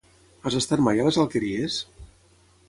Has estat mai a les Alqueries?